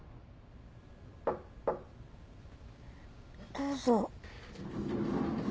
・どうぞ。